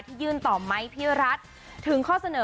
ยื่นต่อไม้พี่รัฐถึงข้อเสนอ